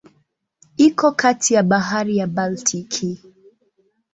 Iko kati ya Bahari ya Baltiki.